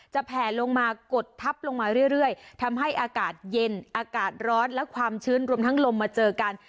แผ่ลงมากดทับลงมาเรื่อยทำให้อากาศเย็นอากาศร้อนและความชื้นรวมทั้งลมมาเจอกัน